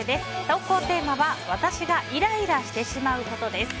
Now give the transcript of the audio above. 投稿テーマは私がイライラしてしまうことです。